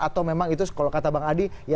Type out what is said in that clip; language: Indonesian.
atau memang itu kalau kata bang adi